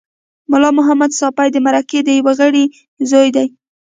ملا محمد ساپي د مرکې د یوه غړي زوی دی.